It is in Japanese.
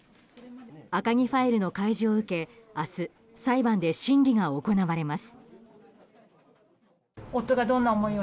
赤木ファイルの開示を受け明日、裁判で審議が行われます。